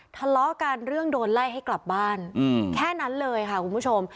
ทะเลาะกันเรื่องโดนไล่ให้กลับบ้านแค่นั้นเลยค่ะคุณผู้ชม